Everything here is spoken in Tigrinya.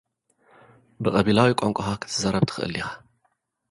ብቐቢላዊ ቋንቋኻ ክትዛረብ ትኽእል ዲኻ?